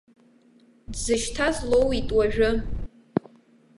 Дзышьҭаз лоуит уажәы.